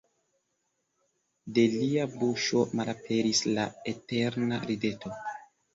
De lia buŝo malaperis la eterna rideto.